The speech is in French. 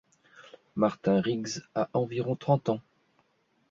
Martin Riggs a environ trente ans.